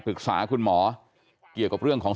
ปรึกษาคุณหมอเกี่ยวกับเรื่องของ